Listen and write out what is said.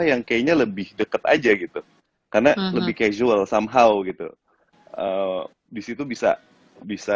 yang kayaknya lebih deket aja gitu karena lebih casual somehow gitu disitu bisa bisa